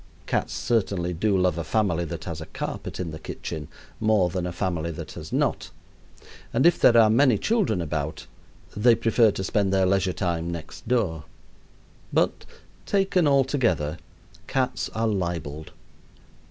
Cats certainly do love a family that has a carpet in the kitchen more than a family that has not; and if there are many children about, they prefer to spend their leisure time next door. But, taken altogether, cats are libeled.